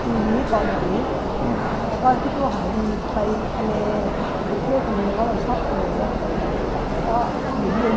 ตอนแรกยังไม่เห็นว่าจะต้องทำทีสิทธิ์เป็นละครวิทีเหมือนเรื่อง